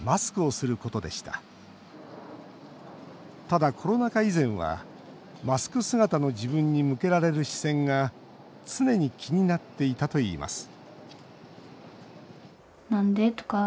ただ、コロナ禍以前はマスク姿の自分に向けられる視線が常に気になっていたといいます